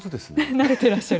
慣れてらっしゃる。